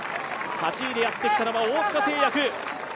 ８位でやってきたのは大塚製薬。